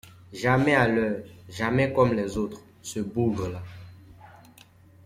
Jamais à l’heure, jamais comme les autres, ce bougre-là!